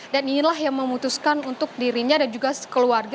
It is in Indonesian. dan inilah yang memutuskan untuk dirinya dan juga keluarga